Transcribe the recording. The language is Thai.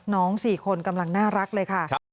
๔คนกำลังน่ารักเลยค่ะ